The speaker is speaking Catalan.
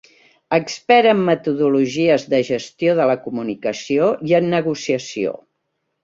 Expert en metodologies de gestió de la comunicació i en negociació.